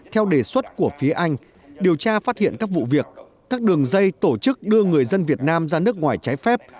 theo đề xuất của phía anh điều tra phát hiện các vụ việc các đường dây tổ chức đưa người dân việt nam ra nước ngoài trái phép